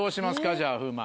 じゃあ風磨。